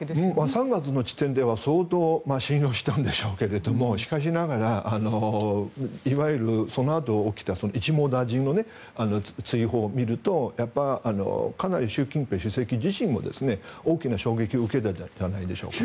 ３月の時点では相当信用していたんでしょうけどしかしながら、いわゆるそのあと起きた一網打尽の追放を見るとかなり習近平主席自身も大きな衝撃を受けたんじゃないですかね。